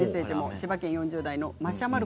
千葉県４０代の方です。